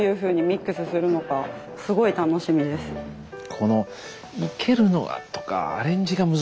この生けるのとかアレンジが難しいんですよね